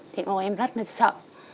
thì em rất là sợ